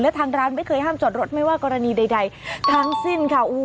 และทางร้านไม่เคยห้ามจอดรถไม่ว่ากรณีใดทั้งสิ้นค่ะ